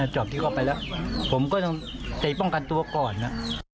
จอบที่เข้าไปแล้วผมก็ต้องไปป้องกันตัวก่อนนะ